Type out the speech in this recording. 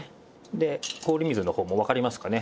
で氷水の方もわかりますかね？